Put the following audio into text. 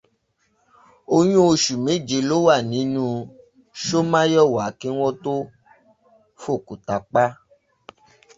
Oyún oṣù méje ló wà nínú Ṣómùyíwá kí wọ́n tó f'òkúta pá.